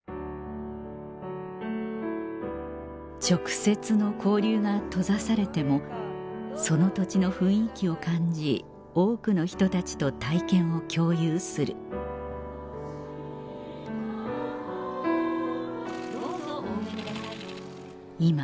直接の交流が閉ざされてもその土地の雰囲気を感じ多くの人たちと体験を共有する・どうぞお植えください